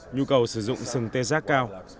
nhu cầu sử dụng sừng tê giác cao